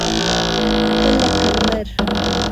تۀ لکه لمر !